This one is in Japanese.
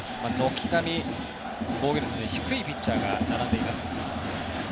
軒並み、防御率の低いピッチャーが並んでいます。